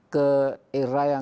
ke era yang